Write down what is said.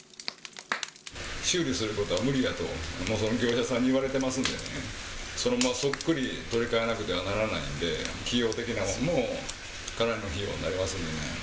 修理することは無理やと、業者さんに言われてますんでね、そのままそっくり取り換えなくてはならないんで、費用的なのもかなりの費用になりますんでね。